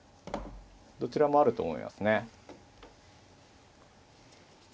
どちらもあると思いますね。